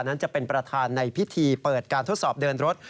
นั้นจะเป็นประธานในพิธีเปิดการทดสอบเดินรถ